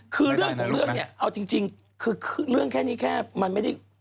คือเรื่องของเรื่องเนี่ยเอาจริงคือเรื่องแค่นี้แค่มันไม่ได้